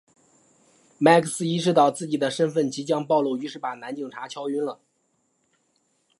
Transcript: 麦克斯意识到自己的身份即将暴露于是把男警察敲晕了。